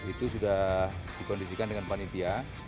itu sudah dikondisikan dengan panitia